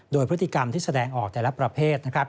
โดยพฤติกรรมที่แสดงออกแต่ละประเภทนะครับ